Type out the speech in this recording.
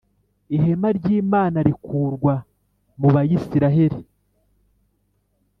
ihema ry’Imana rikurwa mu ba yisiraheli